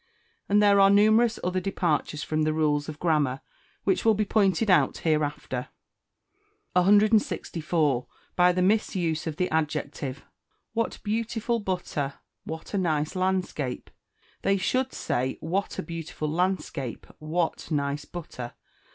And there are numerous other departures from the rules of grammar, which will be pointed out hereafter. 164. By the Misuse of the Adjective: "What beautiful butter!" "What a nice landscape!" They should say, "What a beautiful landscape!" "What nice butter!"